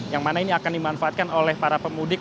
yang mana ini akan dimanfaatkan oleh para pemudik